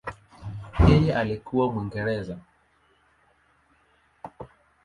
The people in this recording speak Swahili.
Yeye alikuwa Mwingereza.